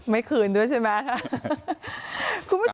ไม่คืนด้วยใช่ไหม